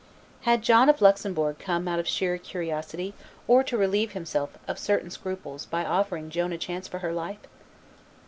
Had John of Luxembourg come out of sheer curiosity, or to relieve himself of certain scruples by offering Joan a chance for her life?